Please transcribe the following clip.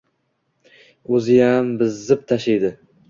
O‘ziyam bizzzzip tashedi